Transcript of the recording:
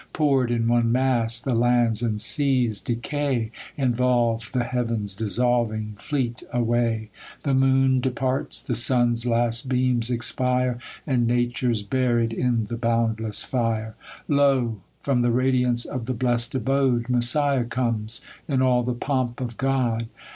Pour'd in one mass, the lands and seas decay ; Involv'd, the heavens, dissolving, fleet away; The moon departs ; the sun's last beams expire, And nature's buried in the boundless fire. Lo, from the radiance of the blest abode Messiah comes, in all the pomp of God